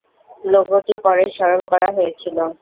লোগোটি পরে সরল করা হয়েছিল।